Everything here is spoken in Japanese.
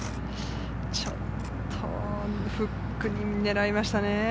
ちょっとフックに狙いましたね。